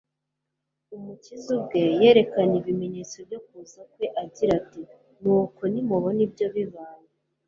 Umukiza ubwe yerekanye ibimenyetso byo kuza kwe agira ati : "Nuko nimubona ibyo bibaye,